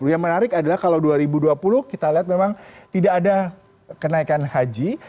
yang menarik adalah kalau dua ribu dua puluh kita lihat memang tidak ada kenaikan haji